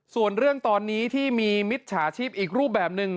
ส่วนเรื่องตอนนี้ที่มีมิจฉาชีพอีกรูปแบบหนึ่ง